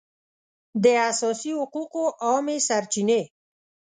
د اساسي حقوقو عامې سرچینې